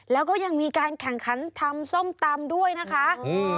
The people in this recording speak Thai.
แล้วก็ยังมีการแข่งขันทำส้มตำด้วยนะคะอืม